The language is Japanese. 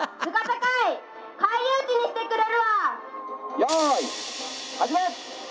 「よい始め！」。